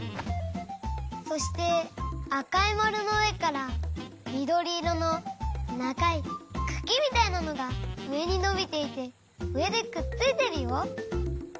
そしてあかいまるのうえからみどりいろのながいくきみたいなのがうえにのびていてうえでくっついてるよ。